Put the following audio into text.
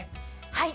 はい。